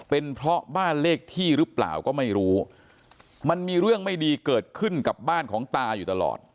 เป็นเพราะบ้านเลขที่หรือเปล่าก็ไม่รู้มันมีเรื่องไม่ดีเกิดขึ้นกับบ้านของตาอยู่ตลอด